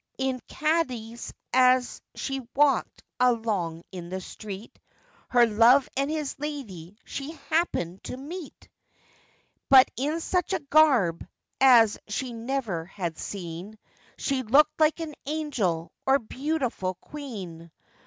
In Cadiz, as she walked along in the street, Her love and his lady she happened to meet, But in such a garb as she never had seen,— She looked like an angel, or beautiful queen.